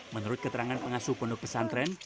menurut keterangan pengasuh pondok pesantren